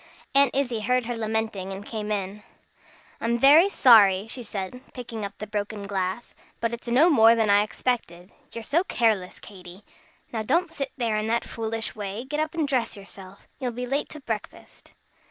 Aunt Izzie heard her lamenting, and came in. "I'm very sorry," she said, picking up the broken glass, "but it's no more than I expected, you're so careless, Katy. Now don't sit there in that foolish way! Get up and dress yourself. You'll be late to breakfast."